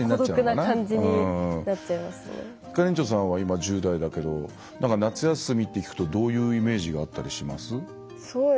孤独な感じにひかりんちょさんは今、１０代だけど夏休みって聞くとどういうイメージがあったりします？